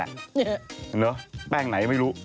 เหรอแป้งไหนไม่รู้